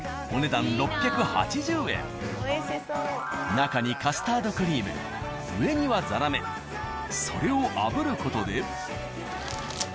中にカスタードクリーム上にはザラメそれをあぶる事で。